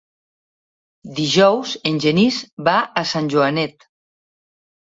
Dijous en Genís va a Sant Joanet.